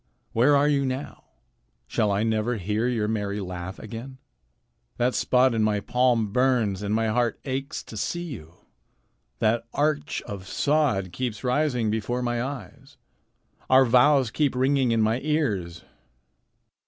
Where are you now? Shall I never hear your merry laugh again? That spot in my palm burns, and my heart aches to see you. That arch of sod keeps rising before my eyes. Our vows keep ringing in my ears."